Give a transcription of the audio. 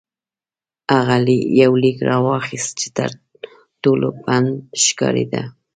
هغه یو لیک راواخیست چې تر ټولو پڼد ښکارېده.